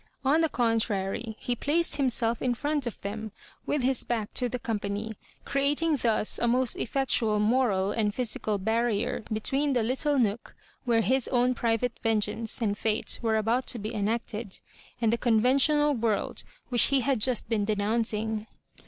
On the con* trary, he placed himself in front of them, with his back to the company, creatmg thus a most effiectual moral and physical barrier between the little nook where his own private vengeance and fate were about to be enacted, and the conven tional world which he had just been denouncing.